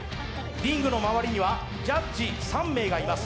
リングの周りにはジャッジ３名がいます。